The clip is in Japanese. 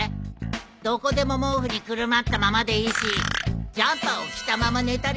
どこでも毛布にくるまったままでいいしジャンパーを着たまま寝たりしてさ。